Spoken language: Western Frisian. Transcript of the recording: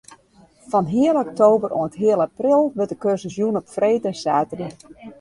Fan heal oktober oant heal april wurdt de kursus jûn op freed en saterdei.